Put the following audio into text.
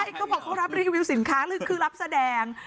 เขาบอกเขารับรีวิวสินค้าคือรับแสดง